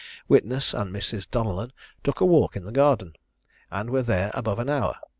Witness and Mrs. Donellan took a walk in the garden, and were there above an hour.